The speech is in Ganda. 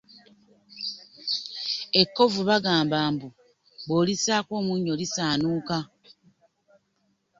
Ekkovu bagamba mbu bw'olissaako omunnyo lisaanuuka.